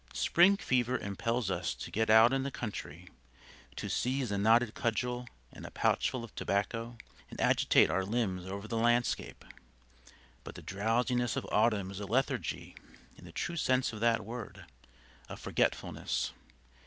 Spring fever impels us to get out in the country; to seize a knotted cudgel and a pouchful of tobacco and agitate our limbs over the landscape. But the drowsiness of autumn is a lethargy in the true sense of that word a forgetfulness.